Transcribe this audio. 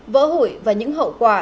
vỡ hủy và những hậu quả